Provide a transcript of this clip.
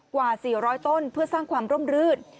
กว่า๔๐๐ต้นเพื่อสร้างความร่มรื่น